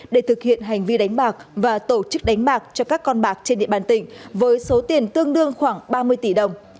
để thực hiện hành vi đánh bạc và tổ chức đánh bạc cho các con bạc trên địa bàn tỉnh với số tiền tương đương khoảng ba mươi tỷ đồng